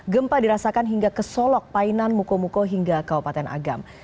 gempa dirasakan hingga ke solok painan muko muko hingga kaupaten agam